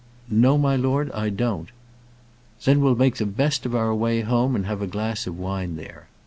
"No, my lord, I don't." "Then we'll make the best of our way home, and have a glass of wine there."